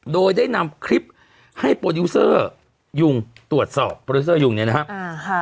โดยได้นำคลิปให้โปรดิวเซอร์ยุงตรวจสอบโปรดิวเซอร์ยุงเนี่ยนะครับ